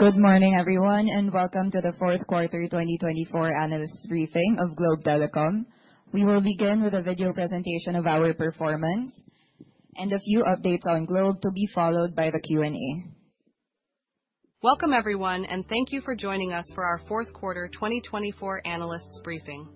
Good morning, everyone, and Welcome to the Q4 2024 Analyst Briefing of Globe Telecom. We will begin with a video presentation of our performance and a few updates on Globe to be followed by the Q&A. Welcome, everyone, and thank you for joining us for our Q4 2024 analysts briefing.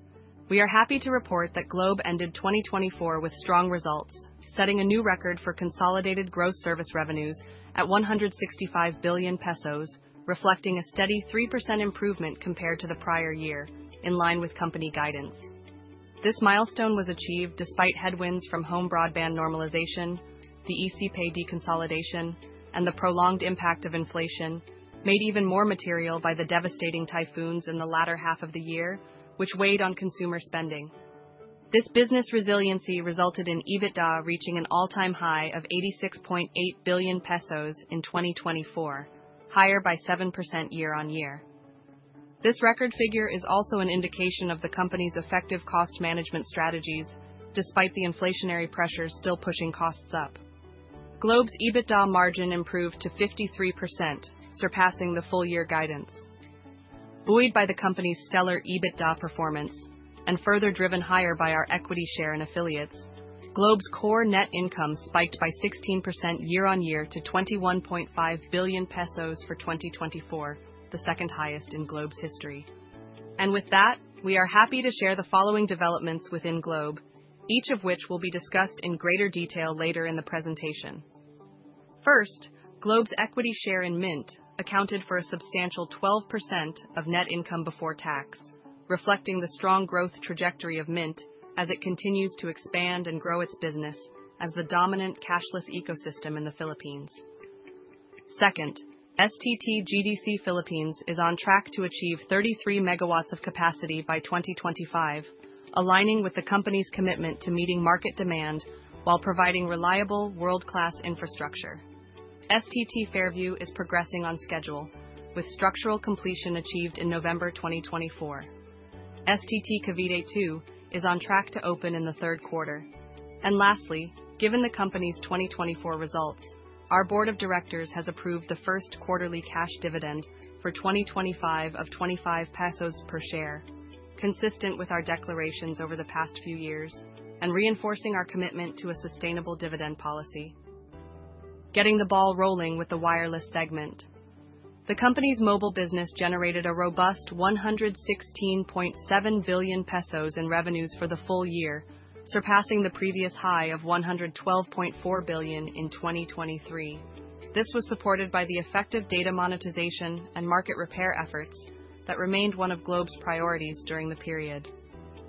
We are happy to report that Globe ended 2024 with strong results, setting a new record for consolidated gross service revenues at 165 billion pesos, reflecting a steady 3% improvement compared to the prior year, in line with company guidance. This milestone was achieved despite headwinds from home broadband normalization, the ECPay deconsolidation, and the prolonged impact of inflation, made even more material by the devastating typhoons in the latter half of the year, which weighed on consumer spending. This business resiliency resulted in EBITDA reaching an all-time high of 86.8 billion pesos in 2024, higher by 7% year on year. This record figure is also an indication of the company's effective cost management strategies, despite the inflationary pressures still pushing costs up. Globe's EBITDA margin improved to 53%, surpassing the full-year guidance. Buoyed by the company's stellar EBITDA performance and further driven higher by our equity share and affiliates, Globe's core net income spiked by 16% year on year to 21.5 billion pesos for 2024, the second highest in Globe's history. And with that, we are happy to share the following developments within Globe, each of which will be discussed in greater detail later in the presentation. First, Globe's equity share in Mynt accounted for a substantial 12% of net income before tax, reflecting the strong growth trajectory of Mynt as it continues to expand and grow its business as the dominant cashless ecosystem in the Philippines. Second, STT GDC Philippines is on track to achieve 33 megawatts of capacity by 2025, aligning with the company's commitment to meeting market demand while providing reliable, world-class infrastructure. STT Fairview is progressing on schedule, with structural completion achieved in November 2024. STT Cavite 2 is on track to open in the Q3. And lastly, given the company's 2024 results, our board of directors has approved the quarterly cash dividend for 2025 of 25 pesos per share, consistent with our declarations over the past few years and reinforcing our commitment to a sustainable dividend policy. Getting the ball rolling with the wireless segment. The company's mobile business generated a robust 116.7 billion pesos in revenues for the full year, surpassing the previous high of 112.4 billion in 2023. This was supported by the effective data monetization and market repair efforts that remained one of Globe's priorities during the period.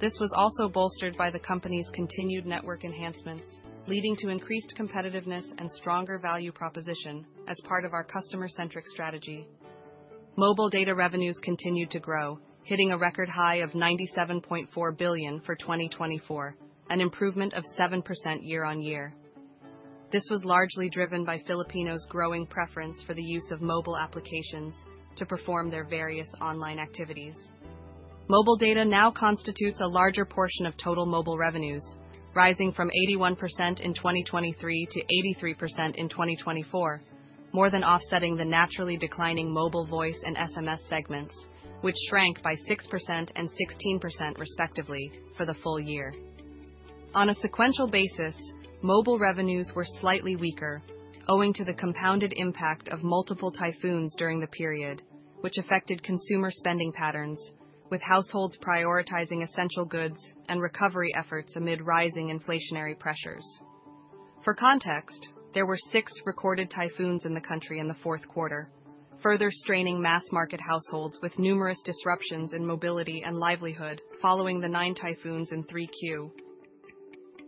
This was also bolstered by the company's continued network enhancements, leading to increased competitiveness and stronger value proposition as part of our customer-centric strategy. Mobile data revenues continued to grow, hitting a record high of 97.4 billion for 2024, an improvement of 7% year on year. This was largely driven by Filipinos' growing preference for the use of mobile applications to perform their various online activities. Mobile data now constitutes a larger portion of total mobile revenues, rising from 81% in 2023 to 83% in 2024, more than offsetting the naturally declining mobile voice and SMS segments, which shrank by 6% and 16% respectively for the full year. On a sequential basis, mobile revenues were slightly weaker, owing to the compounded impact of multiple typhoons during the period, which affected consumer spending patterns, with households prioritizing essential goods and recovery efforts amid rising inflationary pressures. For context, there were six recorded typhoons in the country in the Q4, further straining mass-market households with numerous disruptions in mobility and livelihood following the nine typhoons in 3Q.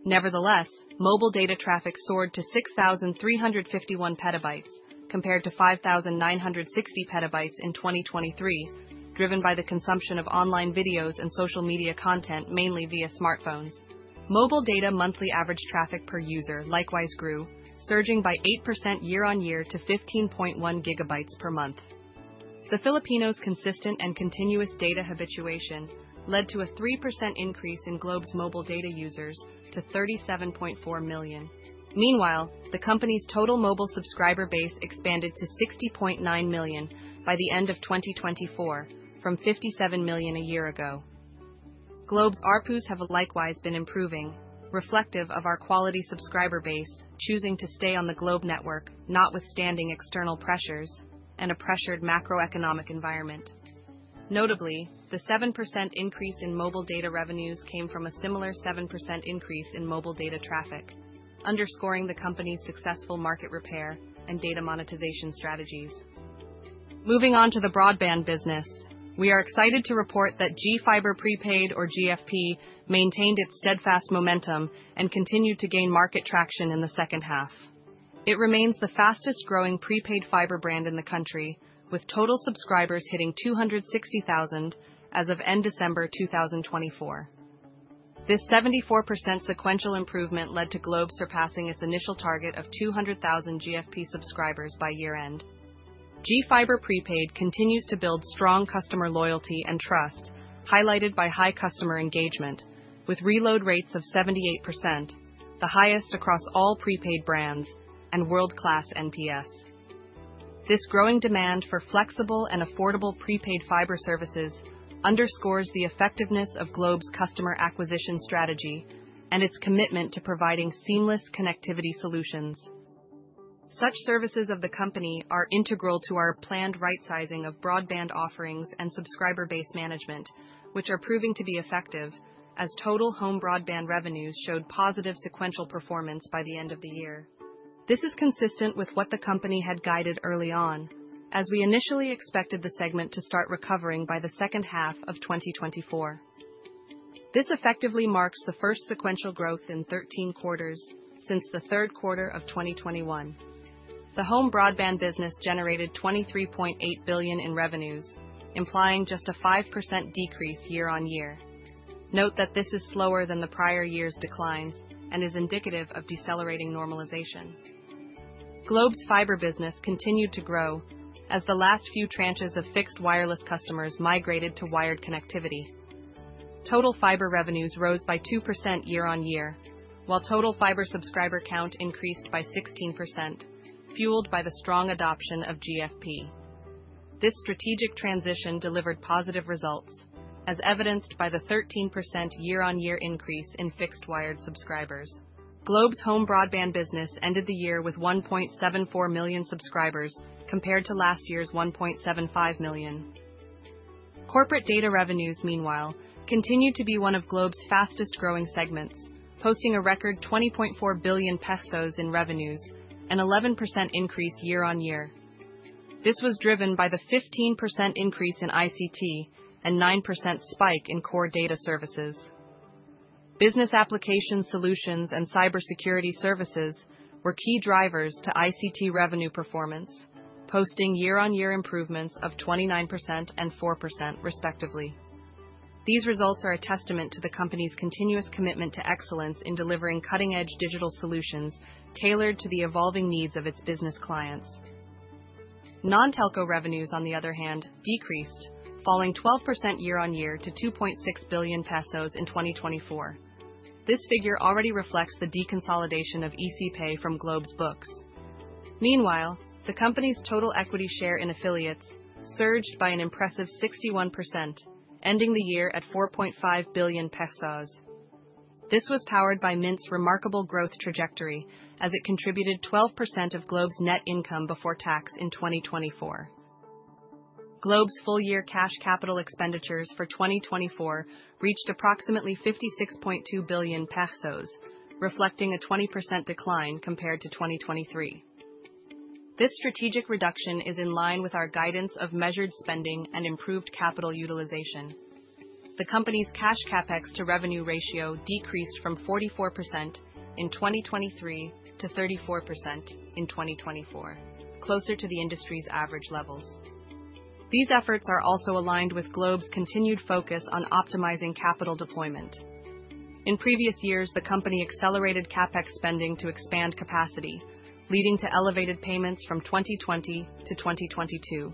Nevertheless, mobile data traffic soared to 6,351 petabytes, compared to 5,960 petabytes in 2023, driven by the consumption of online videos and social media content mainly via smartphones. Mobile data monthly average traffic per user likewise grew, surging by 8% year on year to 15.1 gigabytes per month. The Filipinos' consistent and continuous data habituation led to a 3% increase in Globe's mobile data users to 37.4 million. Meanwhile, the company's total mobile subscriber base expanded to 60.9 million by the end of 2024, from 57 million a year ago. Globe's ARPUs have likewise been improving, reflective of our quality subscriber base choosing to stay on the Globe network, notwithstanding external pressures and a pressured macroeconomic environment. Notably, the 7% increase in mobile data revenues came from a similar 7% increase in mobile data traffic, underscoring the company's successful market repair and data monetization strategies. Moving on to the broadband business, we are excited to report that GFiber Prepaid, or GFP, maintained its steadfast momentum and continued to gain market traction in the second half. It remains the fastest-growing prepaid fiber brand in the country, with total subscribers hitting 260,000 as of end December 2024. This 74% sequential improvement led to Globe surpassing its initial target of 200,000 GFP subscribers by year-end. GFiber Prepaid continues to build strong customer loyalty and trust, highlighted by high customer engagement, with reload rates of 78%, the highest across all prepaid brands and world-class NPS. This growing demand for flexible and affordable prepaid fiber services underscores the effectiveness of Globe's customer acquisition strategy and its commitment to providing seamless connectivity solutions. Such services of the company are integral to our planned right-sizing of broadband offerings and subscriber base management, which are proving to be effective, as total home broadband revenues showed positive sequential performance by the end of the year. This is consistent with what the company had guided early on, as we initially expected the segment to start recovering by the second half of 2024. This effectively marks the first sequential growth in 13 quarters since the Q3 of 2021. The home broadband business generated 23.8 billion in revenues, implying just a 5% decrease year on year. Note that this is slower than the prior year's declines and is indicative of decelerating normalization. Globe's fiber business continued to grow as the last few tranches of fixed wireless customers migrated to wired connectivity. Total fiber revenues rose by 2% year on year, while total fiber subscriber count increased by 16%, fueled by the strong adoption of GFP. This strategic transition delivered positive results, as evidenced by the 13% year-on-year increase in fixed wired subscribers. Globe's home broadband business ended the year with 1.74 million subscribers, compared to last year's 1.75 million. Corporate data revenues, meanwhile, continued to be one of Globe's fastest-growing segments, posting a record 20.4 billion pesos in revenues, an 11% increase year on year. This was driven by the 15% increase in ICT and 9% spike in core data services. Business application solutions and cybersecurity services were key drivers to ICT revenue performance, posting year-on-year improvements of 29% and 4%, respectively. These results are a testament to the company's continuous commitment to excellence in delivering cutting-edge digital solutions tailored to the evolving needs of its business clients. Non-telco revenues, on the other hand, decreased, falling 12% year-on-year to 2.6 billion pesos in 2024. This figure already reflects the deconsolidation of ECPay from Globe's books. Meanwhile, the company's total equity share in affiliates surged by an impressive 61%, ending the year at 4.5 billion pesos. This was powered by Mynt's remarkable growth trajectory, as it contributed 12% of Globe's net income before tax in 2024. Globe's full-year cash capital expenditures for 2024 reached approximately 56.2 billion pesos, reflecting a 20% decline compared to 2023. This strategic reduction is in line with our guidance of measured spending and improved capital utilization. The company's cash CapEx to revenue ratio decreased from 44% in 2023 to 34% in 2024, closer to the industry's average levels. These efforts are also aligned with Globe's continued focus on optimizing capital deployment. In previous years, the company accelerated CapEx spending to expand capacity, leading to elevated payments from 2020 to 2022.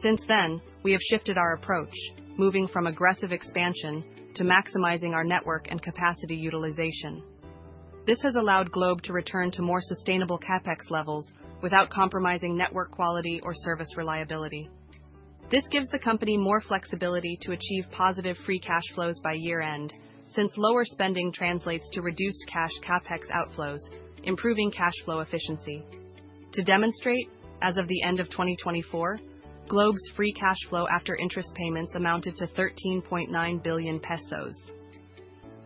Since then, we have shifted our approach, moving from aggressive expansion to maximizing our network and capacity utilization. This has allowed Globe to return to more sustainable CapEx levels without compromising network quality or service reliability. This gives the company more flexibility to achieve positive free cash flows by year-end, since lower spending translates to reduced cash CapEx outflows, improving cash flow efficiency. To demonstrate, as of the end of 2024, Globe's free cash flow after interest payments amounted to 13.9 billion pesos.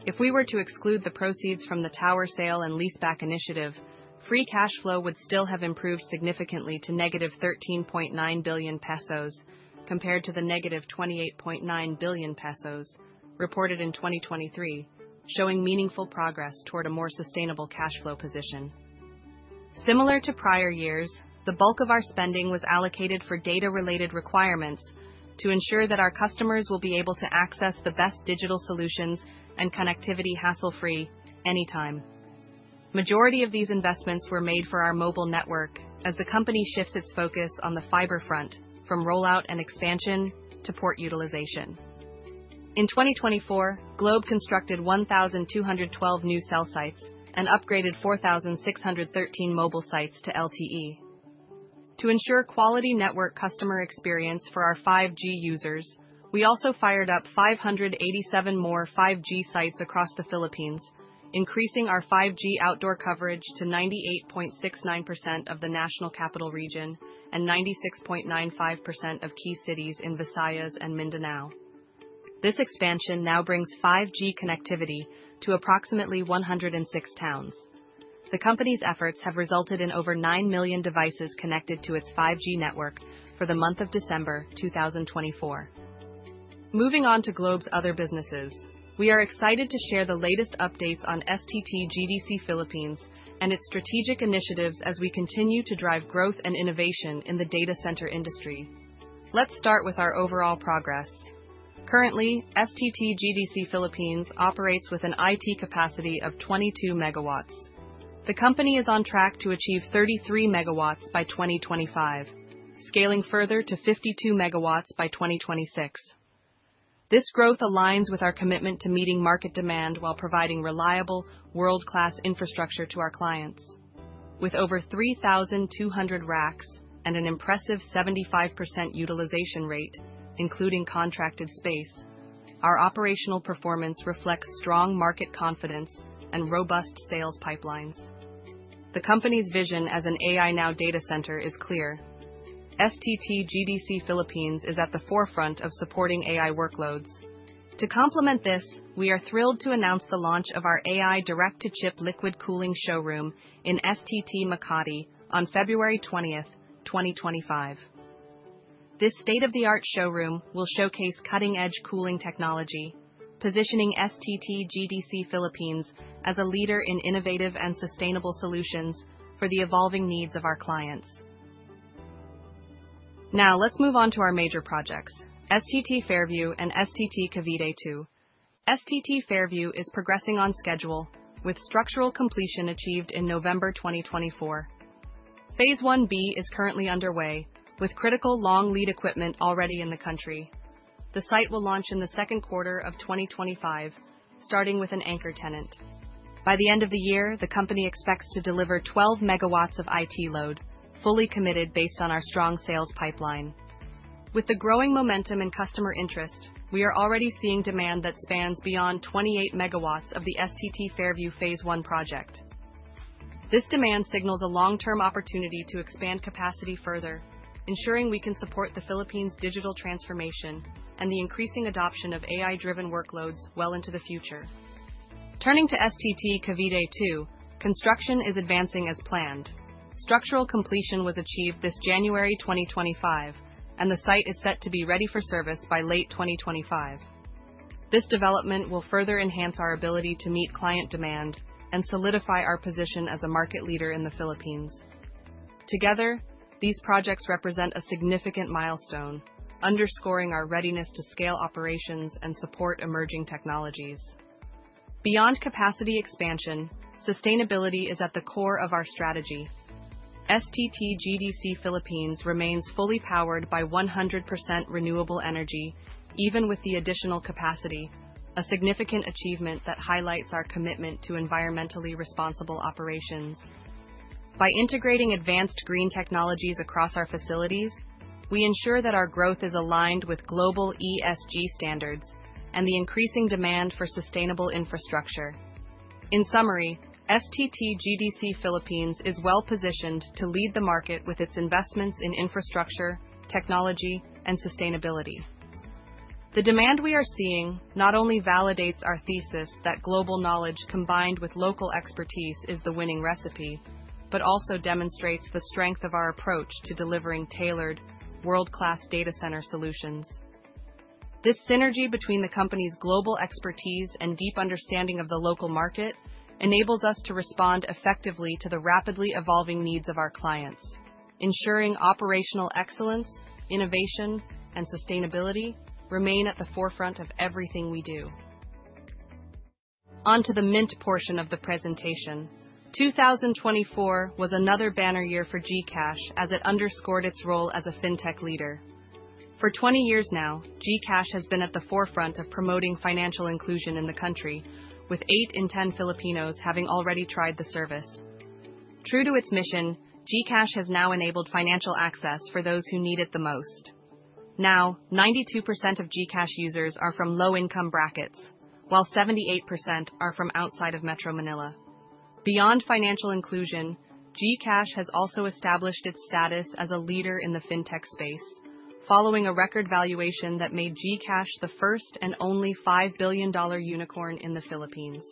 If we were to exclude the proceeds from the tower sale and leaseback initiative, free cash flow would still have improved significantly to negative 13.9 billion pesos, compared to the negative 28.9 billion pesos reported in 2023, showing meaningful progress toward a more sustainable cash flow position. Similar to prior years, the bulk of our spending was allocated for data-related requirements to ensure that our customers will be able to access the best digital solutions and connectivity hassle-free anytime. Majority of these investments were made for our mobile network, as the company shifts its focus on the fiber front from rollout and expansion to port utilization. In 2024, Globe constructed 1,212 new cell sites and upgraded 4,613 mobile sites to LTE. To ensure quality network customer experience for our 5G users, we also fired up 587 more 5G sites across the Philippines, increasing our 5G outdoor coverage to 98.69% of the National Capital Region and 96.95% of key cities in Visayas and Mindanao. This expansion now brings 5G connectivity to approximately 106 towns. The company's efforts have resulted in over 9 million devices connected to its 5G network for the month of December 2024. Moving on to Globe's other businesses, we are excited to share the latest updates on STT GDC Philippines and its strategic initiatives as we continue to drive growth and innovation in the data center industry. Let's start with our overall progress. Currently, STT GDC Philippines operates with an IT capacity of 22 megawatts. The company is on track to achieve 33 megawatts by 2025, scaling further to 52 megawatts by 2026. This growth aligns with our commitment to meeting market demand while providing reliable, world-class infrastructure to our clients. With over 3,200 racks and an impressive 75% utilization rate, including contracted space, our operational performance reflects strong market confidence and robust sales pipelines. The company's vision as an AI-Ready data center is clear. STT GDC Philippines is at the forefront of supporting AI workloads. To complement this, we are thrilled to announce the launch of our AI direct-to-chip liquid cooling showroom in STT Makati on February 20, 2025. This state-of-the-art showroom will showcase cutting-edge cooling technology, positioning STT GDC Philippines as a leader in innovative and sustainable solutions for the evolving needs of our clients. Now, let's move on to our major projects: STT Fairview and STT Cavite 2. STT Fairview is progressing on schedule, with structural completion achieved in November 2024. Phase 1B is currently underway, with critical long lead equipment already in the country. The site will launch in the Q2 of 2025, starting with an anchor tenant. By the end of the year, the company expects to deliver 12 megawatts of IT load, fully committed based on our strong sales pipeline. With the growing momentum and customer interest, we are already seeing demand that spans beyond 28 megawatts of the STT Fairview Phase 1 project. This demand signals a long-term opportunity to expand capacity further, ensuring we can support the Philippines' digital transformation and the increasing adoption of AI-driven workloads well into the future. Turning to STT Cavite 2, construction is advancing as planned. Structural completion was achieved this January 2025, and the site is set to be ready for service by late 2025. This development will further enhance our ability to meet client demand and solidify our position as a market leader in the Philippines. Together, these projects represent a significant milestone, underscoring our readiness to scale operations and support emerging technologies. Beyond capacity expansion, sustainability is at the core of our strategy. STT GDC Philippines remains fully powered by 100% renewable energy, even with the additional capacity, a significant achievement that highlights our commitment to environmentally responsible operations. By integrating advanced green technologies across our facilities, we ensure that our growth is aligned with global ESG standards and the increasing demand for sustainable infrastructure. In summary, STT GDC Philippines is well-positioned to lead the market with its investments in infrastructure, technology, and sustainability. The demand we are seeing not only validates our thesis that global knowledge combined with local expertise is the winning recipe, but also demonstrates the strength of our approach to delivering tailored, world-class data center solutions. This synergy between the company's global expertise and deep understanding of the local market enables us to respond effectively to the rapidly evolving needs of our clients, ensuring operational excellence, innovation, and sustainability remain at the forefront of everything we do. On to the Mynt portion of the presentation. 2024 was another banner year for GCash as it underscored its role as a fintech leader. For 20 years now, GCash has been at the forefront of promoting financial inclusion in the country, with 8 in 10 Filipinos having already tried the service. True to its mission, GCash has now enabled financial access for those who need it the most. Now, 92% of GCash users are from low-income brackets, while 78% are from outside of Metro Manila. Beyond financial inclusion, GCash has also established its status as a leader in the fintech space, following a record valuation that made GCash the first and only $5 billion unicorn in the Philippines.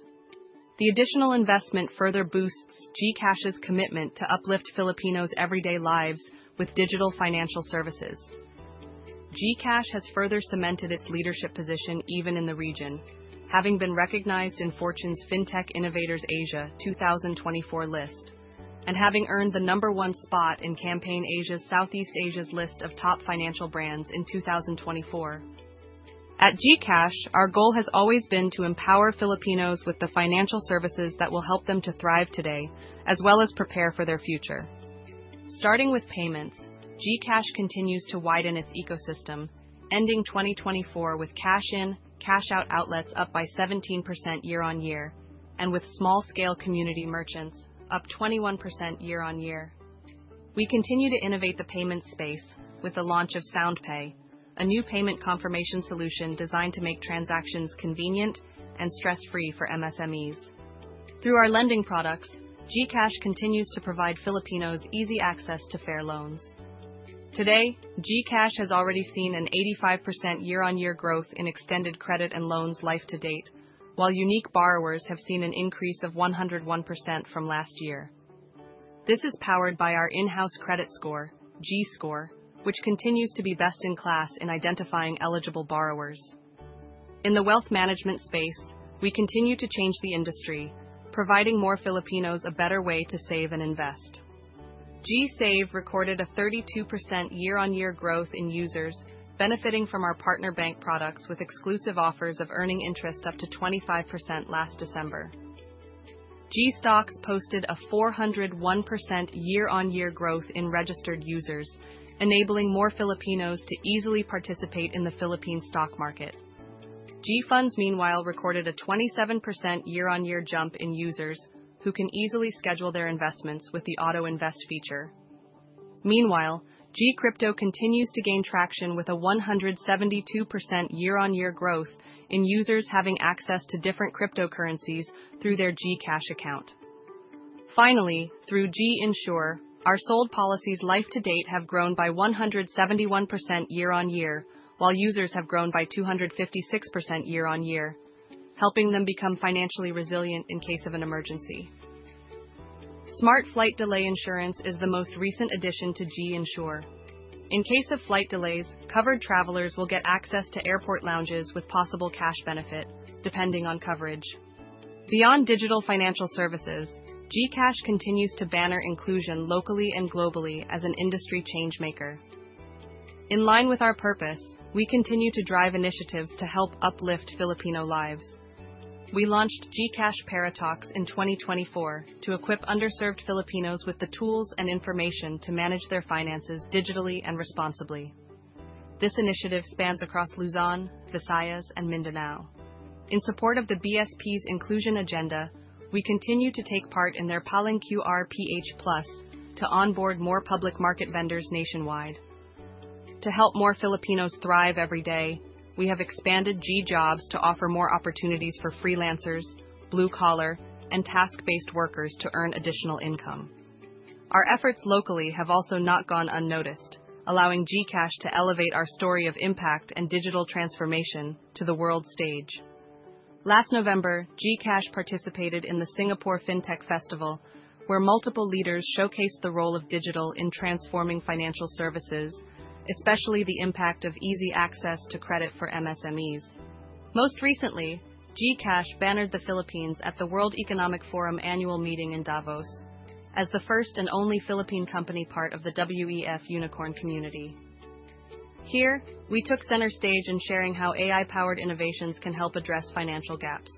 The additional investment further boosts GCash's commitment to uplift Filipinos' everyday lives with digital financial services. GCash has further cemented its leadership position even in the region, having been recognized in Fortune's Fintech Innovators Asia 2024 list and having earned the number one spot in Campaign Asia's Southeast Asia's list of top financial brands in 2024. At GCash, our goal has always been to empower Filipinos with the financial services that will help them to thrive today, as well as prepare for their future. Starting with payments, GCash continues to widen its ecosystem, ending 2024 with cash-in/cash-out outlets up by 17% year-on-year and with small-scale community merchants up 21% year-on-year. We continue to innovate the payments space with the launch of SoundPay, a new payment confirmation solution designed to make transactions convenient and stress-free for MSMEs. Through our lending products, GCash continues to provide Filipinos easy access to fair loans. Today, GCash has already seen an 85% year-on-year growth in extended credit and loans life to date, while unique borrowers have seen an increase of 101% from last year. This is powered by our in-house credit score, GScore, which continues to be best in class in identifying eligible borrowers. In the wealth management space, we continue to change the industry, providing more Filipinos a better way to save and invest. GSave recorded a 32% year-on-year growth in users, benefiting from our partner bank products with exclusive offers of earning interest up to 25% last December. GStocks posted a 401% year-on-year growth in registered users, enabling more Filipinos to easily participate in the Philippine stock market. GFunds, meanwhile, recorded a 27% year-on-year jump in users who can easily schedule their investments with the auto-invest feature. Meanwhile, GCrypto continues to gain traction with a 172% year-on-year growth in users having access to different cryptocurrencies through their GCash account. Finally, through GInsure, our sold policies lifetime to date have grown by 171% year-on-year, while users have grown by 256% year-on-year, helping them become financially resilient in case of an emergency. Smart Flight Delay Insurance is the most recent addition to GInsure. In case of flight delays, covered travelers will get access to airport lounges with possible cash benefit, depending on coverage. Beyond digital financial services, GCash continues to banner inclusion locally and globally as an industry change-maker. In line with our purpose, we continue to drive initiatives to help uplift Filipino lives. We launched GCash Pera Talks in 2024 to equip underserved Filipinos with the tools and information to manage their finances digitally and responsibly. This initiative spans across Luzon, Visayas, and Mindanao. In support of the BSP's inclusion agenda, we continue to take part in their Paleng-QR Ph Plus to onboard more public market vendors nationwide. To help more Filipinos thrive every day, we have expanded GJobs to offer more opportunities for freelancers, blue-collar, and task-based workers to earn additional income. Our efforts locally have also not gone unnoticed, allowing GCash to elevate our story of impact and digital transformation to the world stage. Last November, GCash participated in the Singapore Fintech Festival, where multiple leaders showcased the role of digital in transforming financial services, especially the impact of easy access to credit for MSMEs. Most recently, GCash bannered the Philippines at the World Economic Forum annual meeting in Davos as the first and only Philippine company part of the WEF unicorn community. Here, we took center stage in sharing how AI-powered innovations can help address financial gaps.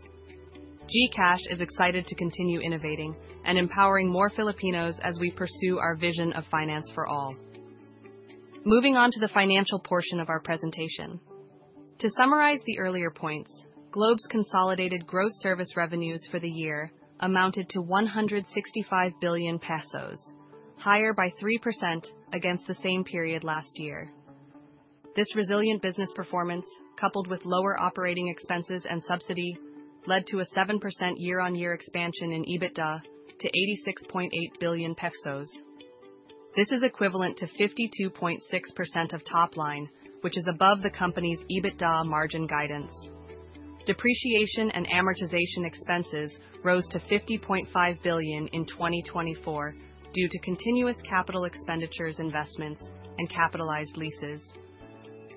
GCash is excited to continue innovating and empowering more Filipinos as we pursue our vision of finance for all. Moving on to the financial portion of our presentation. To summarize the earlier points, Globe's consolidated gross service revenues for the year amounted to 165 billion pesos, higher by 3% against the same period last year. This resilient business performance, coupled with lower operating expenses and subsidy, led to a 7% year-on-year expansion in EBITDA to 86.8 billion pesos. This is equivalent to 52.6% of top line, which is above the company's EBITDA margin guidance. Depreciation and amortization expenses rose to 50.5 billion in 2024 due to continuous capital expenditures, investments, and capitalized leases.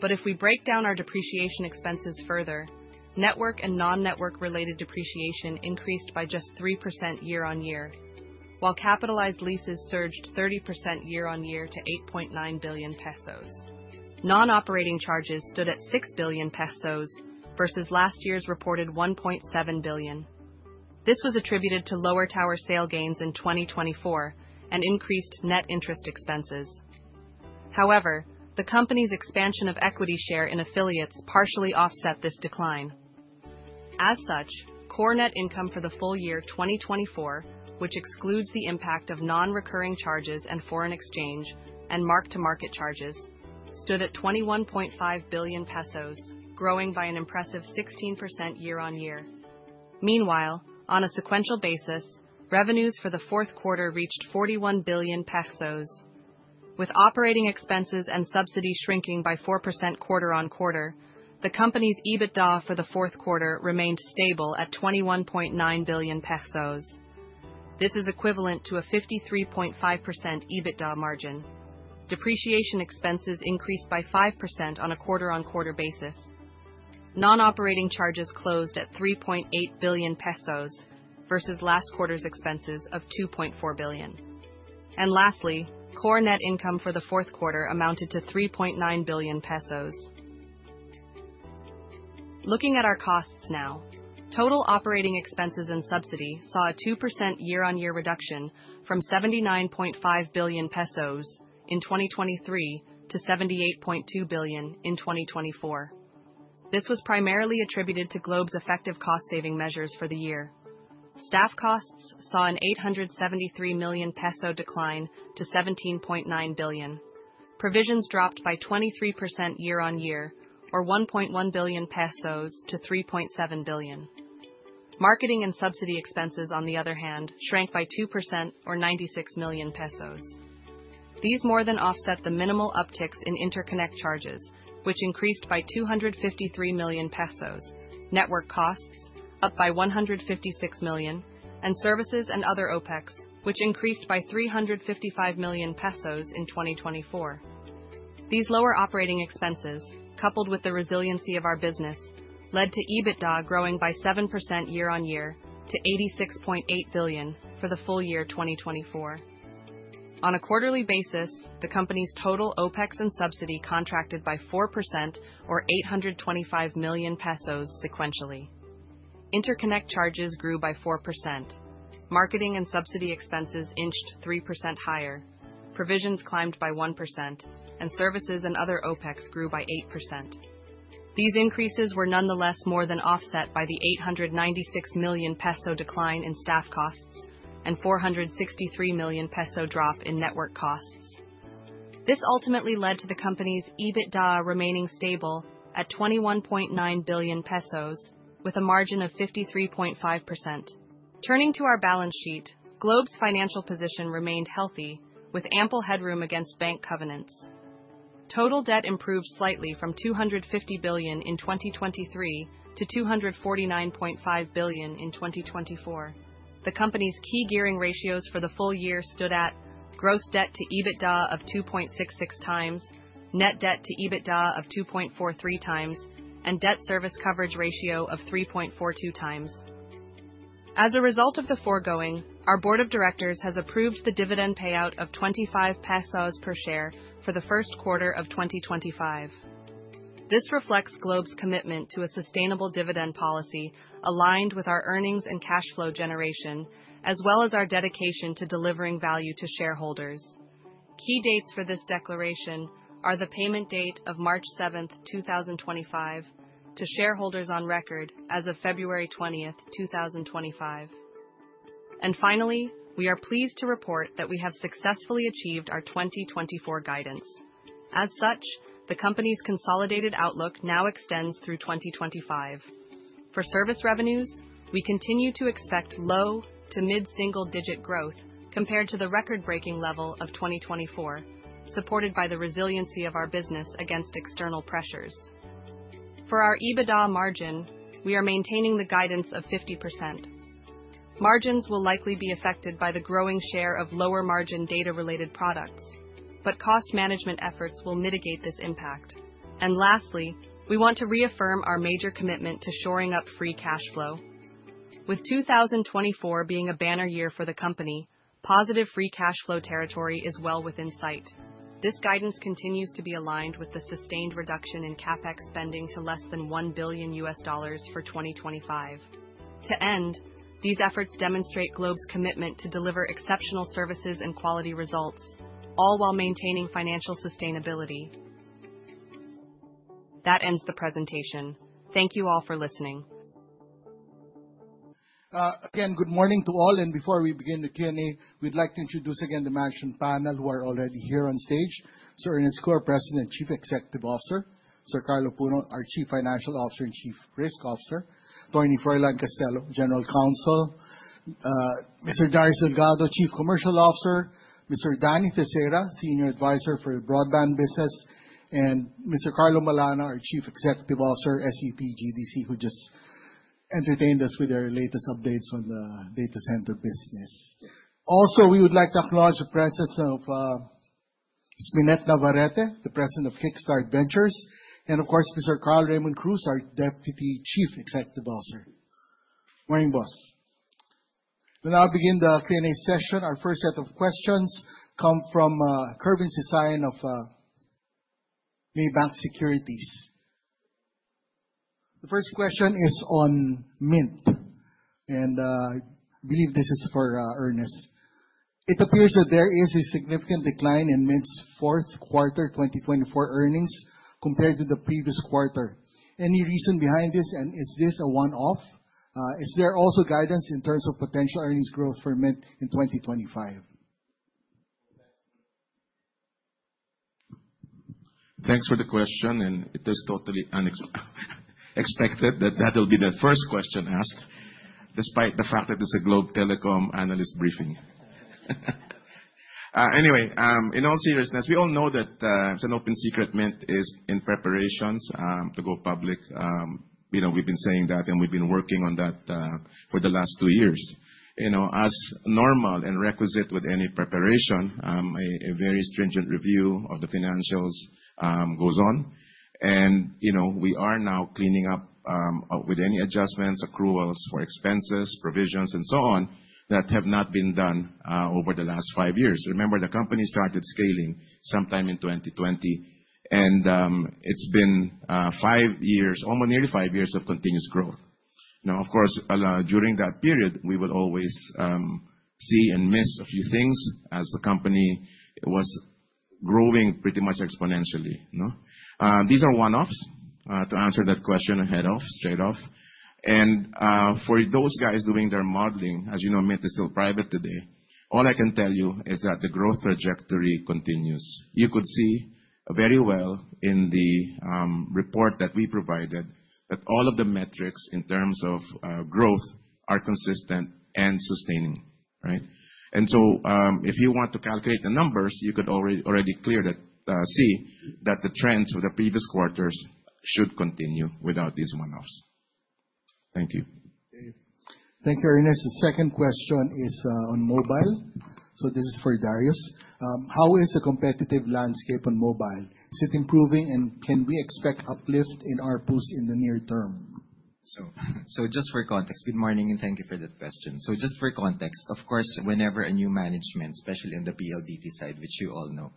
But if we break down our depreciation expenses further, network and non-network related depreciation increased by just 3% year-on-year, while capitalized leases surged 30% year-on-year to 8.9 billion pesos. Non-operating charges stood at 6 billion pesos versus last year's reported 1.7 billion. This was attributed to lower tower sale gains in 2024 and increased net interest expenses. However, the company's expansion of equity share in affiliates partially offset this decline. As such, core net income for the full year 2024, which excludes the impact of non-recurring charges and foreign exchange and mark-to-market charges, stood at 21.5 billion pesos, growing by an impressive 16% year-on-year. Meanwhile, on a sequential basis, revenues for the Q4 reached 41 billion pesos. With operating expenses and subsidy shrinking by 4% quarter on quarter, the company's EBITDA for the Q4 remained stable at 21.9 billion pesos. This is equivalent to a 53.5% EBITDA margin. Depreciation expenses increased by 5% on a quarter-on-quarter basis. Non-operating charges closed at 3.8 billion pesos versus last quarter's expenses of 2.4 billion. And lastly, core net income for the Q4 amounted to 3.9 billion pesos. Looking at our costs now, total operating expenses and subsidy saw a 2% year-on-year reduction from 79.5 billion pesos in 2023 to 78.2 billion in 2024. This was primarily attributed to Globe's effective cost-saving measures for the year. Staff costs saw a 873 million peso decline to 17.9 billion. Provisions dropped by 23% year-on-year, or 1.1 billion pesos to 3.7 billion. Marketing and subsidy expenses, on the other hand, shrank by 2% or 96 million pesos. These more than offset the minimal upticks in interconnect charges, which increased by 253 million pesos, network costs, up by 156 million, and services and other OpEx, which increased by 355 million pesos in 2024. These lower operating expenses, coupled with the resiliency of our business, led to EBITDA growing by 7% year-on-year to 86.8 billion for the full year 2024. On a quarterly basis, the company's total OpEx and subsidy contracted by 4% or 825 million pesos sequentially. Interconnect charges grew by 4%, marketing and subsidy expenses inched 3% higher, provisions climbed by 1%, and services and other OpEx grew by 8%. These increases were nonetheless more than offset by the 896 million pesos decline in staff costs and 463 million pesos drop in network costs. This ultimately led to the company's EBITDA remaining stable at 21.9 billion pesos with a margin of 53.5%. Turning to our balance sheet, Globe's financial position remained healthy, with ample headroom against bank covenants. Total debt improved slightly from 250 billion in 2023 to 249.5 billion in 2024. The company's key gearing ratios for the full year stood at gross debt to EBITDA of 2.66 times, net debt to EBITDA of 2.43 times, and debt service coverage ratio of 3.42 times. As a result of the foregoing, our board of directors has approved the dividend payout of 25 pesos per share for the Q1 of 2025. This reflects Globe's commitment to a sustainable dividend policy aligned with our earnings and cash flow generation, as well as our dedication to delivering value to shareholders. Key dates for this declaration are the payment date of March 7, 2025, to shareholders on record as of February 20, 2025. And finally, we are pleased to report that we have successfully achieved our 2024 guidance. As such, the company's consolidated outlook now extends through 2025. For service revenues, we continue to expect low to mid-single digit growth compared to the record-breaking level of 2024, supported by the resiliency of our business against external pressures. For our EBITDA margin, we are maintaining the guidance of 50%. Margins will likely be affected by the growing share of lower margin data-related products, but cost management efforts will mitigate this impact. Lastly, we want to reaffirm our major commitment to shoring up free cash flow. With 2024 being a banner year for the company, positive free cash flow territory is well within sight. This guidance continues to be aligned with the sustained reduction inCapEx spending to less than $1 billion for 2025. To end, these efforts demonstrate Globe's commitment to deliver exceptional services and quality results, all while maintaining financial sustainability. That ends the presentation. Thank you all for listening. Again, good morning to all. Before we begin the Q&A, we'd like to introduce again the management panel who are already here on stage. Sir Ernest Cu, our President and Chief Executive Officer, Sir Juan Carlo Puno, our Chief Financial Officer and Chief Risk Officer, Froilan Castelo, General Counsel, Mr. Darius Delgado, Chief Commercial Officer, Mr. Domini Tecson, Senior Advisor for the Broadband Business, and Mr. Carlo Malana, our Chief Executive Officer, STT GDC Philippines, who just entertained us with their latest updates on the data center business. Also, we would like to acknowledge the presence of Ms. Minette Navarrete, the President of Kickstart Ventures, and of course, Mr. Carl Raymond Cruz, our Deputy Chief Executive Officer. Morning, boss. We'll now begin the Q&A session. Our first set of questions comes from Kervin Sisayan of Maybank Securities. The first question is on Mynt, and I believe this is for Ernest. It appears that there is a significant decline in Mynt's Q4 2024 earnings compared to the previous quarter. Any reason behind this, and is this a one-off? Is there also guidance in terms of potential earnings growth for Mynt in 2025? Thanks for the question, and it is totally unexpected that that will be the first question asked, despite the fact that it's a Globe Telecom analyst briefing. Anyway, in all seriousness, we all know that it's an open secret Mynt is in preparations to go public. You know, we've been saying that, and we've been working on that for the last two years. You know, as normal and requisite with any preparation, a very stringent review of the financials goes on, and you know, we are now cleaning up with any adjustments, accruals for expenses, provisions, and so on that have not been done over the last five years. Remember, the company started scaling sometime in 2020, and it's been five years, almost nearly five years of continuous growth. Now, of course, during that period, we will always see and miss a few things as the company was growing pretty much exponentially. These are one-offs to answer that question ahead of, straight off. And for those guys doing their modeling, as you know, Mynt is still private today. All I can tell you is that the growth trajectory continues. You could see very well in the report that we provided that all of the metrics in terms of growth are consistent and sustaining. And so, if you want to calculate the numbers, you could already clearly see that the trends of the previous quarters should continue without these one-offs. Thank you. Thank you, Ernest. The second question is on mobile. So this is for Darius. How is the competitive landscape on mobile? Is it improving, and can we expect uplift in our boost in the near term? So just for context, good morning, and thank you for that question. So just for context, of course, whenever a new management, especially on the PLDT side, which you all know,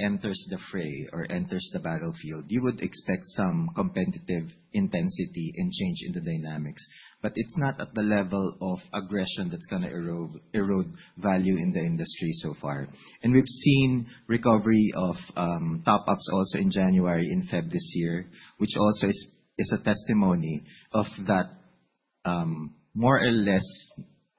enters the fray or enters the battlefield, you would expect some competitive intensity and change in the dynamics. But it's not at the level of aggression that's going to erode value in the industry so far. And we've seen recovery of top-ups also in January, in February this year, which also is a testimony of that more or less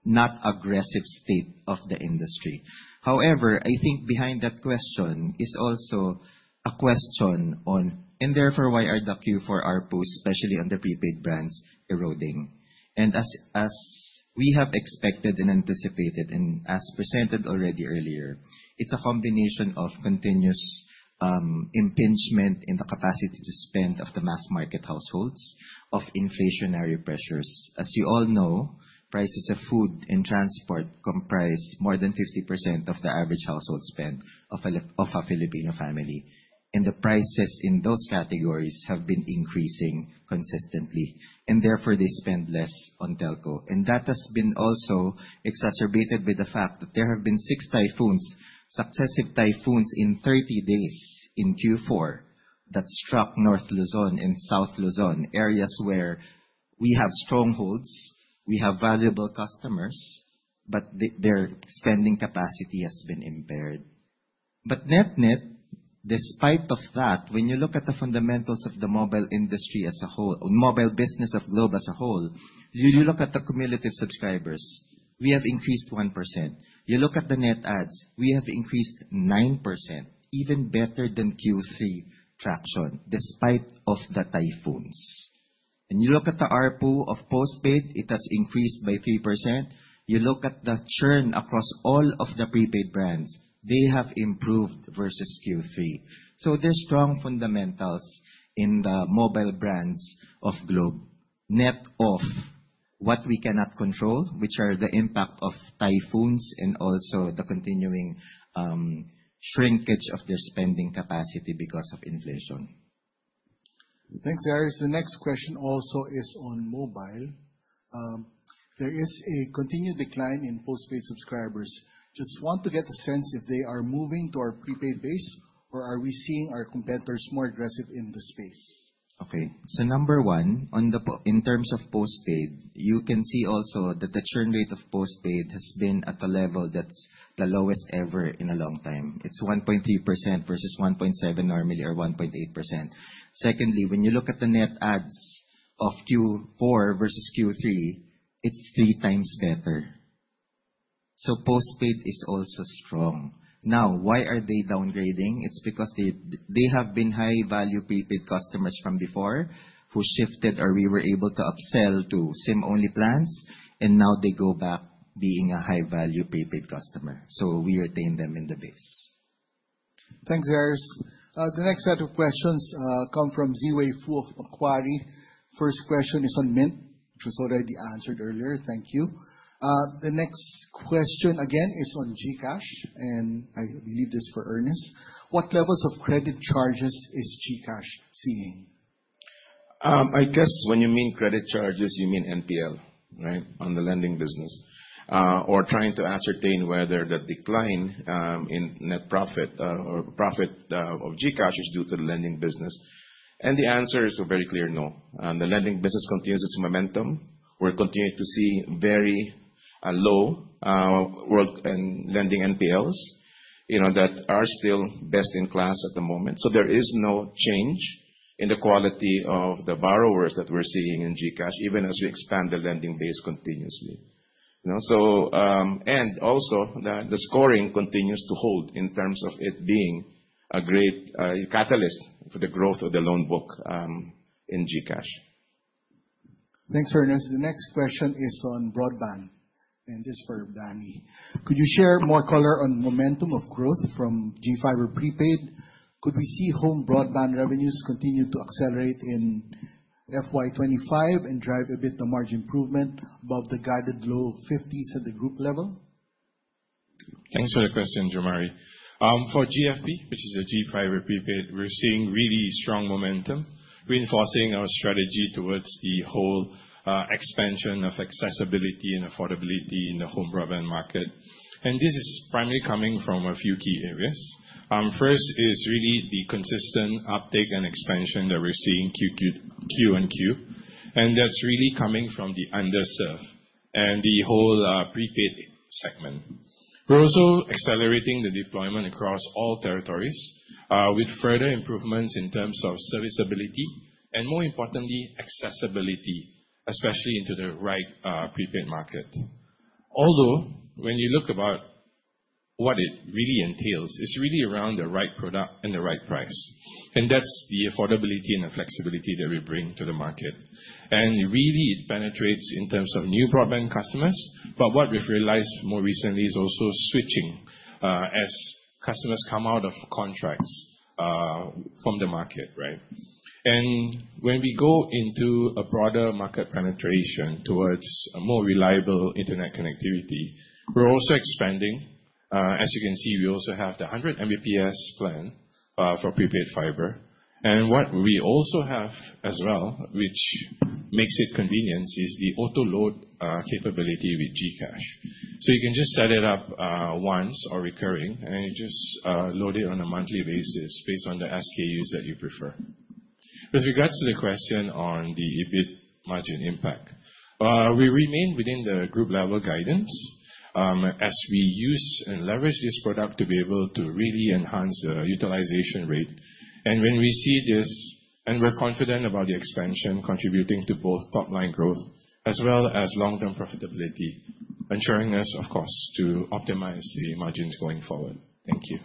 not aggressive state of the industry. However, I think behind that question is also a question on, and therefore, why are the queue for our boost, especially on the prepaid brands, eroding? And as we have expected and anticipated and as presented already earlier, it's a combination of continuous impingement in the capacity to spend of the mass market households of inflationary pressures. As you all know, prices of food and transport comprise more than 50% of the average household spend of a Filipino family. And the prices in those categories have been increasing consistently. And therefore, they spend less on telco. And that has been also exacerbated by the fact that there have been six typhoons, successive typhoons in 30 days in Q4 that struck North Luzon and South Luzon, areas where we have strongholds, we have valuable customers, but their spending capacity has been impaired. But NetNet, despite that, when you look at the fundamentals of the mobile industry as a whole, mobile business of Globe as a whole, you look at the cumulative subscribers, we have increased 1%. You look at the net adds, we have increased 9%, even better than Q3 traction, despite the typhoons. And you look at the ARPU of postpaid, it has increased by 3%. You look at the churn across all of the prepaid brands, they have improved versus Q3. So there are strong fundamentals in the mobile brands of Globe, net of what we cannot control, which are the impact of typhoons and also the continuing shrinkage of their spending capacity because of inflation. Thanks, Darius. The next question also is on mobile. There is a continued decline in postpaid subscribers. Just want to get a sense if they are moving to our prepaid base or are we seeing our competitors more aggressive in the space? Okay, so number one, in terms of postpaid, you can see also that the churn rate of postpaid has been at a level that's the lowest ever in a long time. It's 1.3% versus 1.7% normally or 1.8%. Secondly, when you look at the net adds of Q4 versus Q3, it's three times better. So postpaid is also strong. Now, why are they downgrading? It's because they have been high-value prepaid customers from before who shifted or we were able to upsell to SIM-only plans, and now they go back being a high-value prepaid customer. So we retain them in the base. Thanks, Darius. The next set of questions come from Ziwei Fu of Macquarie. First question is on Mynt, which was already answered earlier. Thank you. The next question again is on GCash, and I believe this is for Ernest. What levels of credit charges is GCash seeing? I guess when you mean credit charges, you mean NPL, right, on the lending business, or trying to ascertain whether the decline in net profit or profit of GCash is due to the lending business. The answer is very clear, no. The lending business continues its momentum. We're continuing to see very low world and lending NPLs that are still best in class at the moment. There is no change in the quality of the borrowers that we're seeing in GCash, even as we expand the lending base continuously. The scoring continues to hold in terms of it being a great catalyst for the growth of the loan book in GCash. Thanks, Ernest. The next question is on broadband, and this is for Danny. Could you share more color on momentum of growth from 5G or prepaid? Could we see home broadband revenues continue to accelerate in FY 25 and drive a bit the margin improvement above the guided low 50s at the group level? Thanks for the question, Jomari. For GFP, which is a GFiber Prepaid, we're seeing really strong momentum. We're enforcing our strategy towards the whole expansion of accessibility and affordability in the home broadband market. And this is primarily coming from a few key areas. First is really the consistent uptake and expansion that we're seeing Q-on-Q. And that's really coming from the underserved and the whole prepaid segment. We're also accelerating the deployment across all territories with further improvements in terms of serviceability and, more importantly, accessibility, especially into the right prepaid market. Although, when you look about what it really entails, it's really around the right product and the right price. And that's the affordability and the flexibility that we bring to the market. And really, it penetrates in terms of new broadband customers. But what we've realized more recently is also switching as customers come out of contracts from the market. And when we go into a broader market penetration towards a more reliable internet connectivity, we're also expanding. As you can see, we also have the 100 Mbps plan for prepaid fiber. And what we also have as well, which makes it convenient, is the auto load capability with GCash. So you can just set it up once or recurring, and you just load it on a monthly basis based on the SKUs that you prefer. With regards to the question on the EBIT margin impact, we remain within the group level guidance as we use and leverage this product to be able to really enhance the utilization rate. When we see this, and we're confident about the expansion contributing to both top-line growth as well as long-term profitability, ensuring us, of course, to optimize the margins going forward. Thank you.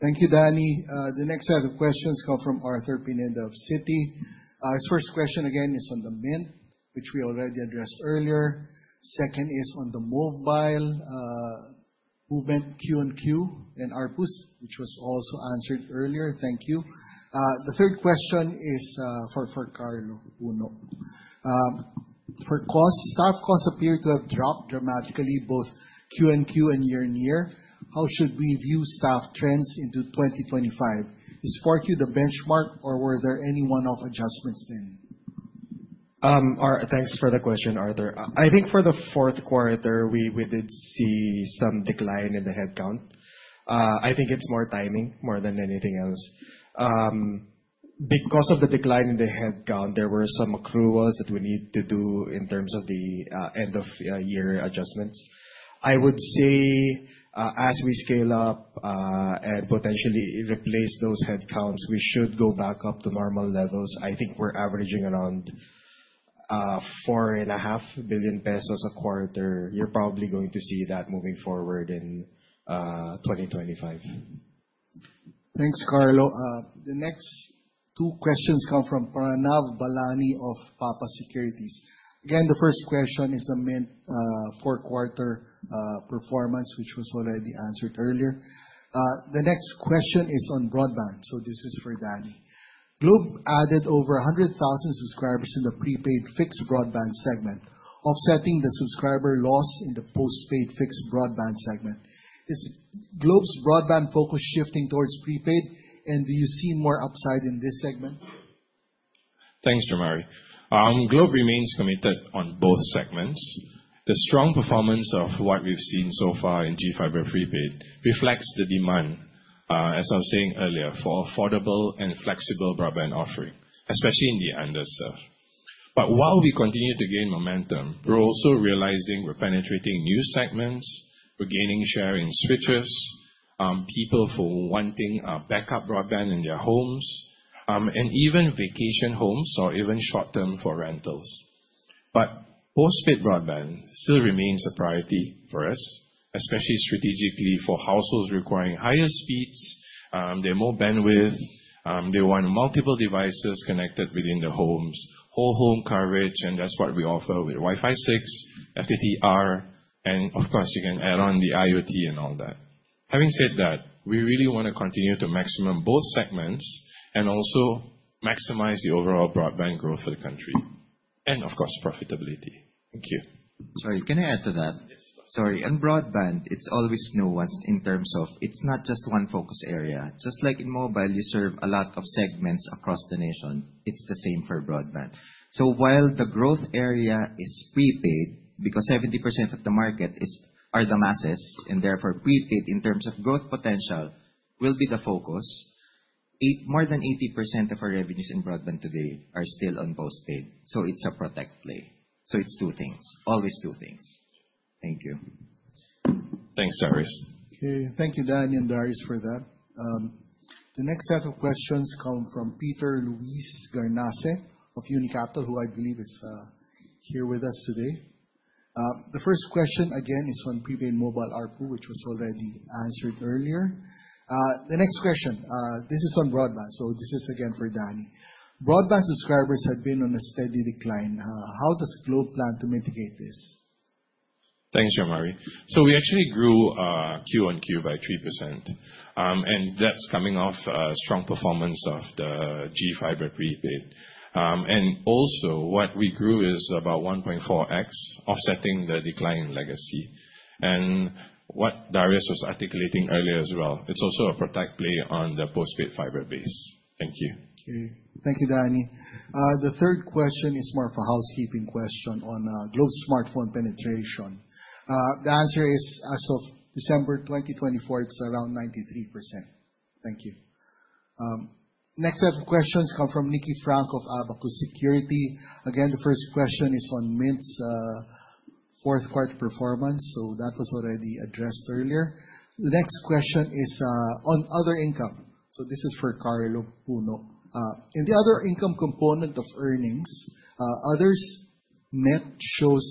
Thank you, Danny. The next set of questions come from Arthur Pineda of Citi. His first question again is on the Mynt, which we already addressed earlier. Second is on the mobile movement Q and Q and ARPUs, which was also answered earlier. Thank you. The third question is for Carlo. For costs, staff costs appear to have dropped dramatically both Q and Q and year-on-year. How should we view staff trends into 2025? Is 4Q the benchmark, or were there any one-off adjustments then? Thanks for the question, Arthur. I think for the Q4, we did see some decline in the headcount. I think it's more timing more than anything else. Because of the decline in the headcount, there were some accruals that we need to do in terms of the end-of-year adjustments. I would say as we scale up and potentially replace those headcounts, we should go back up to normal levels. I think we're averaging around 4.5 billion pesos a quarter. You're probably going to see that moving forward in 2025. Thanks, Carlo. The next two questions come from Pranav Bolani of Papa Securities. Again, the first question is the Mynt Q4 performance, which was already answered earlier. The next question is on broadband. So this is for Danny. Globe added over 100,000 subscribers in the prepaid fixed broadband segment, offsetting the subscriber loss in the postpaid fixed broadband segment. Is Globe's broadband focus shifting towards prepaid, and do you see more upside in this segment? Thanks, Jomari. Globe remains committed on both segments. The strong performance of what we've seen so far in GFiber Prepaid reflects the demand, as I was saying earlier, for affordable and flexible broadband offering, especially in the underserved. But while we continue to gain momentum, we're also realizing we're penetrating new segments. We're gaining share in switchers, people who are wanting backup broadband in their homes, and even vacation homes or even short-term for rentals. But postpaid broadband still remains a priority for us, especially strategically for households requiring higher speeds. They're more bandwidth. They want multiple devices connected within the homes, whole home coverage, and that's what we offer with Wi-Fi 6, FTTR, and of course, you can add on the IoT and all that. Having said that, we really want to continue to maximize both segments and also maximize the overall broadband growth for the country. And of course, profitability. Thank you. Sorry, can I add to that? Sorry. On broadband, it's always nuanced in terms of it's not just one focus area. Just like in mobile, you serve a lot of segments across the nation. It's the same for broadband. So while the growth area is prepaid, because 70% of the market are the masses, and therefore prepaid in terms of growth potential will be the focus, more than 80% of our revenues in broadband today are still on postpaid. So it's a protect play. So it's two things, always two things. Thank you. Thanks, Darius. Okay, thank you, Danny and Darius for that. The next set of questions come from Peter Luis Garnace of Unicapital, who I believe is here with us today. The first question again is on prepaid mobile ARPU, which was already answered earlier. The next question, this is on broadband, so this is again for Danny. Broadband subscribers have been on a steady decline. How does Globe plan to mitigate this? Thanks, Jomari. So we actually grew Q on Q by 3%. And that's coming off a strong performance of the GFiber Prepaid. And also, what we grew is about 1.4x, offsetting the decline in legacy. And what Darius was articulating earlier as well, it's also a protect play on the postpaid fiber base. Thank you. Thank you, Danny. The third question is more of a housekeeping question on Globe's smartphone penetration. The answer is, as of December 2024, it's around 93%. Thank you. Next set of questions come from Nicky Franco of Abacus Securities. Again, the first question is on Mynt's fourth-quarter performance. So that was already addressed earlier. The next question is on other income. So this is for Carlo Puno. In the other income component of earnings, others net shows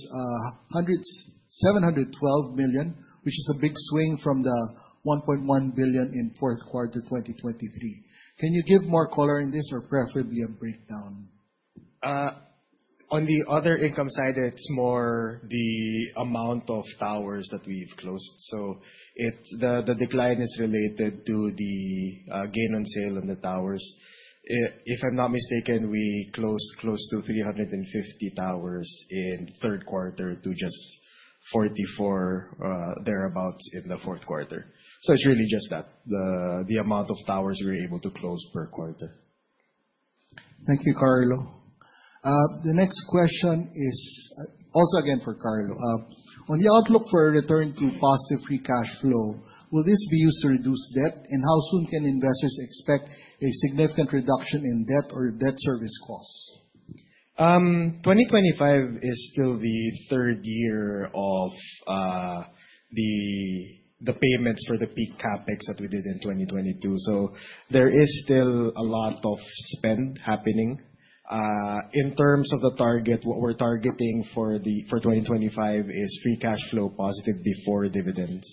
712 million, which is a big swing from the 1.1 billion in Q4 2023. Can you give more color in this or preferably a breakdown? On the other income side, it's more the amount of towers that we've closed. So the decline is related to the gain on sale on the towers. If I'm not mistaken, we closed close to 350 towers in Q3 to just 44 thereabouts in the Q4. So it's really just that, the amount of towers we were able to close per quarter. Thank you, Carlo. The next question is also again for Carlo. On the outlook for a return to positive free cash flow, will this be used to reduce debt? And how soon can investors expect a significant reduction in debt or debt service costs? 2025 is still the third year of the payments for the peak CapEx that we did in 2022. So there is still a lot of spend happening. In terms of the target, what we're targeting for 2025 is free cash flow positive before dividends.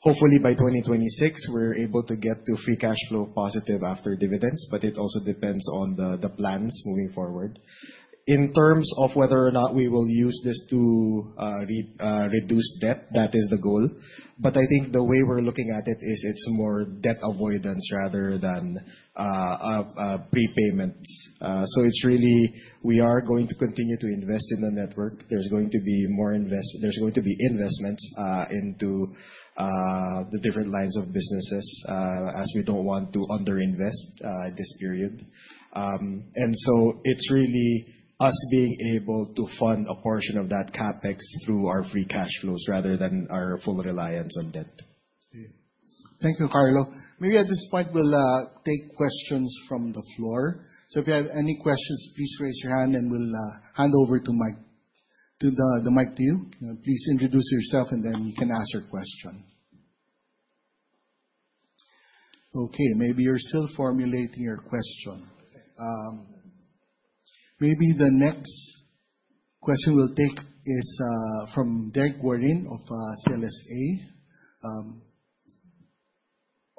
Hopefully, by 2026, we're able to get to free cash flow positive after dividends, but it also depends on the plans moving forward. In terms of whether or not we will use this to reduce debt, that is the goal. But I think the way we're looking at it is it's more debt avoidance rather than prepayments. So it's really, we are going to continue to invest in the network. There's going to be more investments. There's going to be investments into the different lines of businesses as we don't want to underinvest this period. And so it's really us being able to fund a portion of that CapEx through our free cash flows rather than our full reliance on debt. Thank you, Carlo. Maybe at this point, we'll take questions from the floor. So if you have any questions, please raise your hand and we'll hand over the mic to you. Please introduce yourself and then you can ask your question. Okay, maybe you're still formulating your question. Maybe the next question we'll take is from Derrick Warren of CLSA.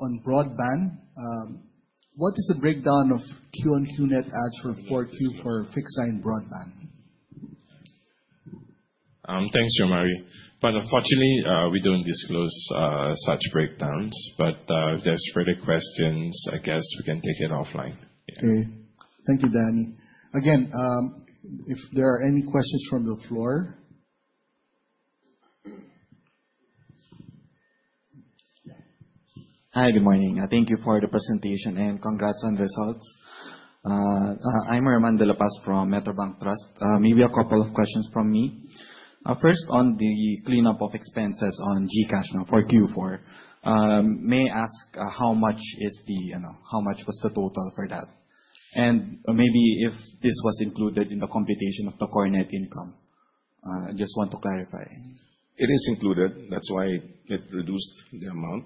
On broadband, what is the breakdown of Q on Q net adds for 4Q for fixed line broadband? Thanks, Jomari. But unfortunately, we don't disclose such breakdowns. But if there's further questions, I guess we can take it offline. Okay, thank you, Danny. Again, if there are any questions from the floor. Hi, good morning. Thank you for the presentation and congrats on results. I’m Armand Dela Paz from Metrobank. Maybe a couple of questions from me. First, on the cleanup of expenses on GCash for Q4, may I ask how much was the total for that? And maybe if this was included in the computation of the net income, I just want to clarify. It is included. That’s why it reduced the amount.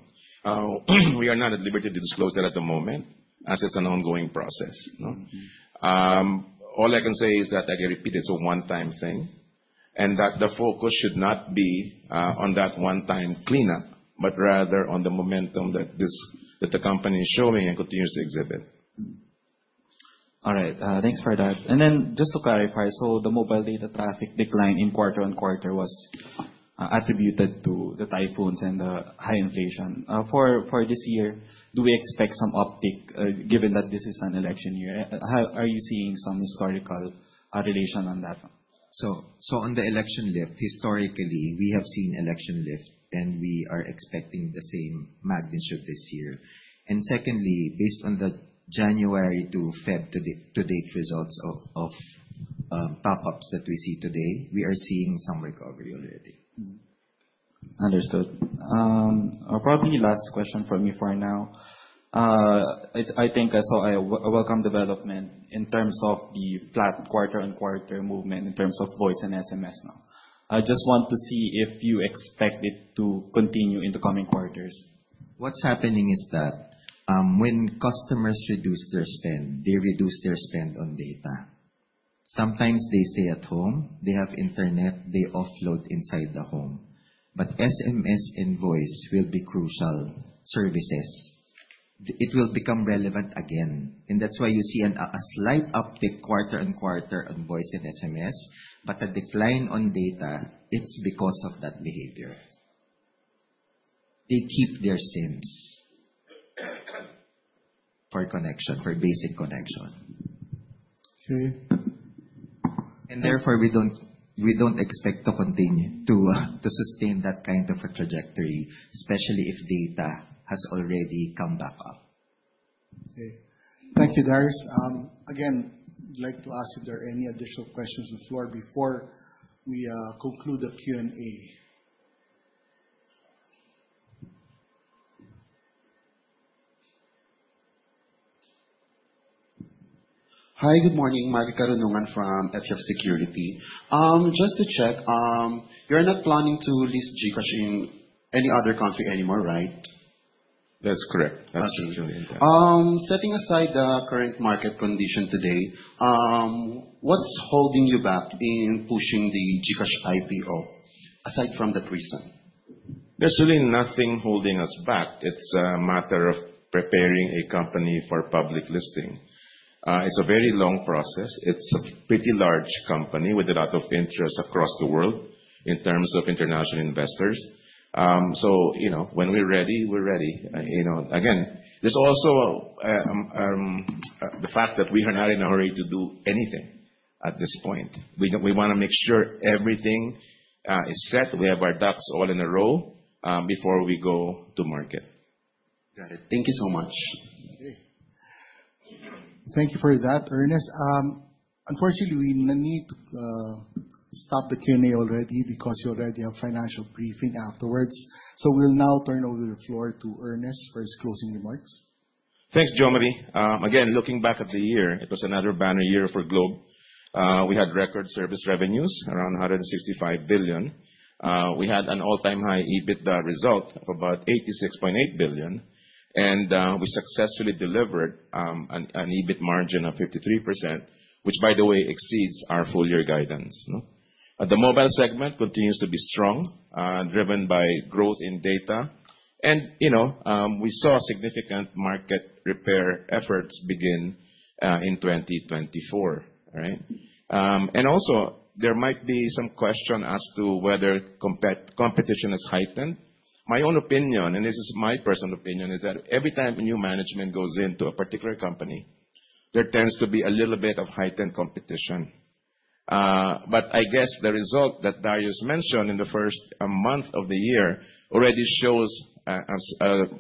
We are not at liberty to disclose that at the moment. That’s an ongoing process. All I can say is that I can repeat it’s a one-time thing. And that the focus should not be on that one-time cleanup, but rather on the momentum that the company is showing and continues to exhibit. All right, thanks for that. And then just to clarify, so the mobile data traffic decline in quarter on quarter was attributed to the typhoons and the high inflation. For this year, do we expect some uptick given that this is an election year? Are you seeing some historical relation on that? So on the election lift, historically, we have seen election lift and we are expecting the same magnitude this year. And secondly, based on the January to February to date results of top-ups that we see today, we are seeing some recovery already. Understood. Probably last question from me for now. I think it's a welcome development in terms of the flat quarter on quarter movement in terms of voice and SMS. I just want to see if you expect it to continue in the coming quarters. What's happening is that when customers reduce their spend, they reduce their spend on data. Sometimes they stay at home, they have internet, they offload inside the home. But SMS and voice will be crucial services. It will become relevant again. That's why you see a slight uptick quarter on quarter on voice and SMS. But the decline on data, it's because of that behavior. They keep their SIMs for connection, for basic connection. Therefore, we don't expect to continue to sustain that kind of a trajectory, especially if data has already come back up. Thank you, Darius. Again, I'd like to ask if there are any additional questions on the floor before we conclude the Q&A. Hi, good morning. Mari Carunungan from F. Yap Securities. Just to check, you're not planning to list GCash in any other country anymore, right? That's correct. That's actually intact. Setting aside the current market condition today, what's holding you back in pushing the GCash IPO aside from that reason? There's really nothing holding us back. It's a matter of preparing a company for public listing. It's a very long process. It's a pretty large company with a lot of interest across the world in terms of international investors. So when we're ready, we're ready. Again, there's also the fact that we are not in a hurry to do anything at this point. We want to make sure everything is set. We have our ducks all in a row before we go to market. Got it. Thank you so much. Thank you for that, Ernest. Unfortunately, we need to stop the Q&A already because you already have financial briefing afterwards. So we'll now turn over the floor to Ernest for his closing remarks. Thanks, Jomari. Again, looking back at the year, it was another banner year for Globe. We had record service revenues around 165 billion. We had an all-time high EBITDA result of about 86.8 billion. And we successfully delivered an EBIT margin of 53%, which, by the way, exceeds our full year guidance. The mobile segment continues to be strong, driven by growth in data. And we saw significant market repair efforts begin in 2024. And also, there might be some question as to whether competition is heightened. My own opinion, and this is my personal opinion, is that every time new management goes into a particular company, there tends to be a little bit of heightened competition. But I guess the result that Darius mentioned in the first month of the year already shows a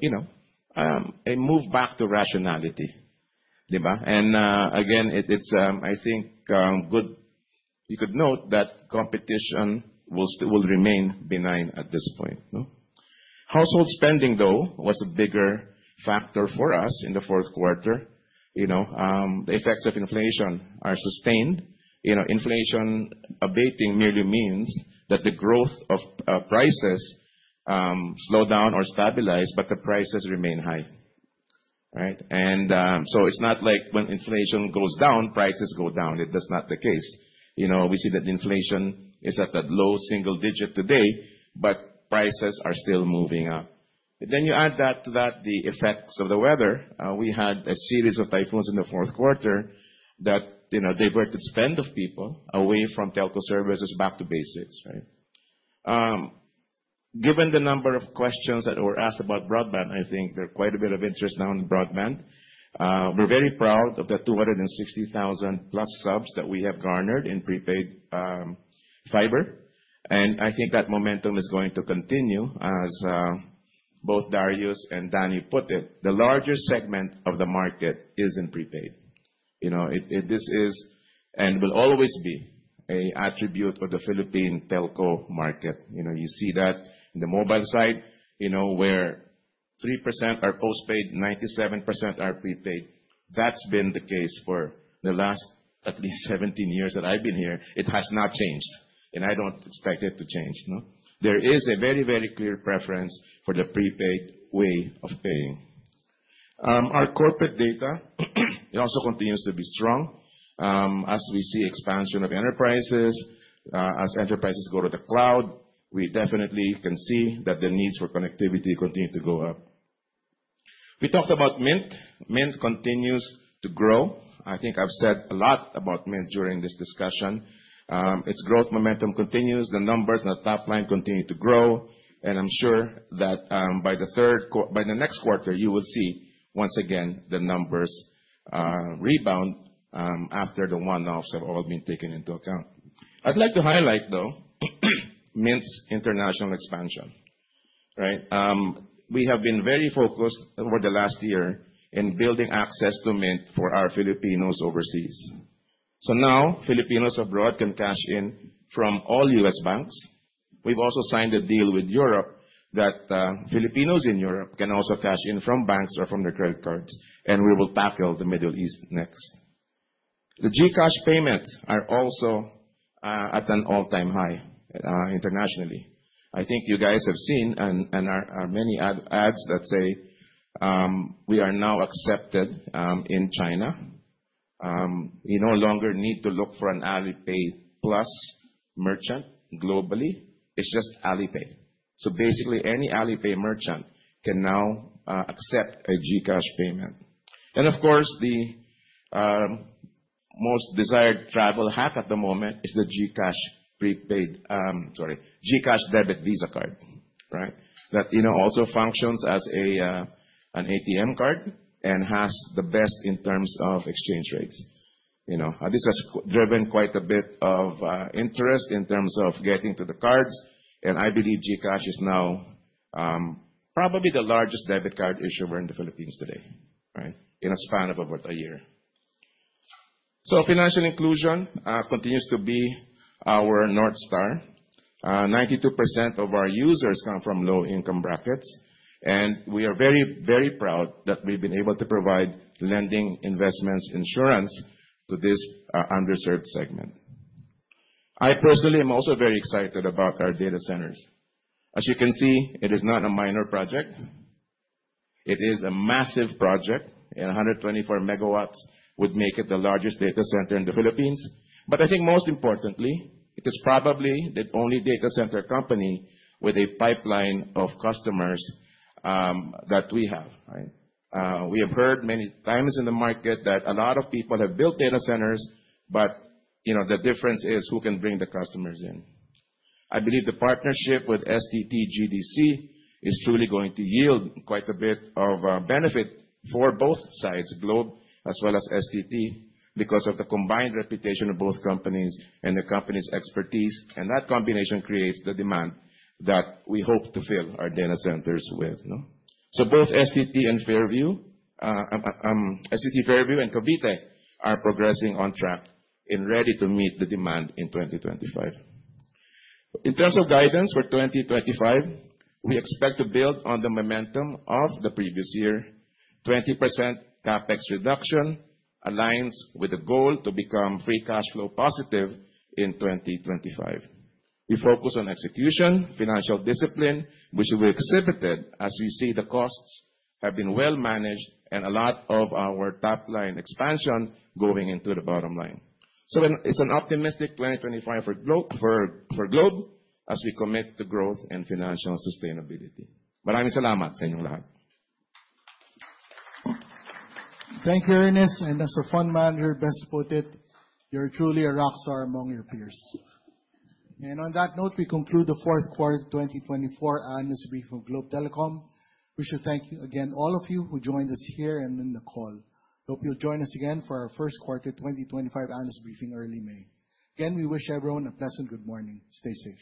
move back to rationality. And again, I think you could note that competition will remain benign at this point. Household spending, though, was a bigger factor for us in the Q4. The effects of inflation are sustained. Inflation abating merely means that the growth of prices slowed down or stabilized, but the prices remain high, and so it's not like when inflation goes down, prices go down. It's not the case. We see that inflation is at a low single digit today, but prices are still moving up, then you add that to the effects of the weather. We had a series of typhoons in the Q4 that diverted spend of people away from telco services back to basics. Given the number of questions that were asked about broadband, I think there's quite a bit of interest now in broadband. We're very proud of the 260,000 plus subs that we have garnered in prepaid fiber, and I think that momentum is going to continue as both Darius and Danny put it, the larger segment of the market is in prepaid. This is and will always be an attribute of the Philippine telco market. You see that in the mobile side, where 3% are postpaid, 97% are prepaid. That's been the case for the last at least 17 years that I've been here. It has not changed, and I don't expect it to change. There is a very, very clear preference for the prepaid way of paying. Our corporate data also continues to be strong as we see expansion of enterprises. As enterprises go to the cloud, we definitely can see that the needs for connectivity continue to go up. We talked about Mynt. Mynt continues to grow. I think I've said a lot about Mynt during this discussion. Its growth momentum continues. The numbers on the top line continue to grow. I'm sure that by the next quarter, you will see once again the numbers rebound after the one-offs have all been taken into account. I'd like to highlight, though, Mynt's international expansion. We have been very focused over the last year in building access to Mynt for our Filipinos overseas. Now Filipinos abroad can cash in from all U.S. banks. We've also signed a deal with Europe that Filipinos in Europe can also cash in from banks or from their credit cards. We will tackle the Middle East next. The GCash payments are also at an all-time high internationally. I think you guys have seen, and there are many ads that say we are now accepted in China. We no longer need to look for an Alipay Plus merchant globally. It's just Alipay. Basically, any Alipay merchant can now accept a GCash payment. Of course, the most desired travel hack at the moment is the GCash prepaid, sorry, GCash debit Visa card that also functions as an ATM card and has the best in terms of exchange rates. This has driven quite a bit of interest in terms of getting to the cards. I believe GCash is now probably the largest debit card issuer in the Philippines today in a span of about a year. Financial inclusion continues to be our North Star. 92% of our users come from low-income brackets. We are very, very proud that we've been able to provide lending investments insurance to this underserved segment. I personally am also very excited about our data centers. As you can see, it is not a minor project. It is a massive project. 124 megawatts would make it the largest data center in the Philippines. But I think most importantly, it is probably the only data center company with a pipeline of customers that we have. We have heard many times in the market that a lot of people have built data centers, but the difference is who can bring the customers in. I believe the partnership with STT GDC is truly going to yield quite a bit of benefit for both sides, Globe as well as STT, because of the combined reputation of both companies and the company's expertise. And that combination creates the demand that we hope to fill our data centers with. So both STT and Fairview, STT Fairview and Cavite are progressing on track and ready to meet the demand in 2025. In terms of guidance for 2025, we expect to build on the momentum of the previous year. 20% CapEx reduction aligns with the goal to become free cash flow positive in 2025. We focus on execution, financial discipline, which we exhibited as we see the costs have been well managed and a lot of our top line expansion going into the bottom line. So it's an optimistic 2025 for Globe as we commit to growth and financial sustainability. Maraming salamat sa inyong lahat. Thank you, Ernest. And as a fund manager, best put it, you're truly a rock star among your peers. And on that note, we conclude the Q4 2024 Annual Briefing of Globe Telecom. We should thank you again, all of you who joined us here and in the call. Hope you'll join us again for our Q1 2025 Annual Briefing early May. Again, we wish everyone a pleasant good morning. Stay safe.